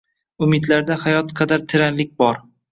Umidlarda hayot qadar teranlik bor